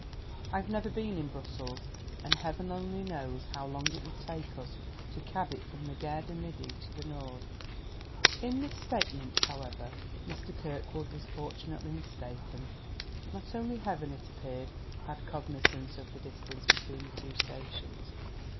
I've never been in Brussels, and Heaven only knows how long it would take us to cab it from the Gare du Midi to the Nord." In this statement, however, Mr. Kirkwood was fortunately mistaken; not only Heaven, it appeared, had cognizance of the distance between the two stations.